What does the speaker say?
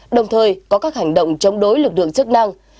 đồng thời có các hành động chống đối lực lượng chức năng